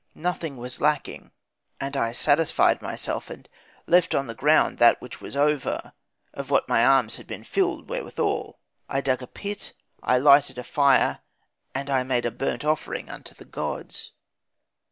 Nothing was lacking. And I satisfied myself; and left on the ground that which was over, of what my arms had been filled withal. I dug a pit, I lighted a fire, and I made a burnt offering unto the gods.